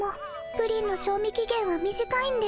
プリンの賞味期限は短いんです。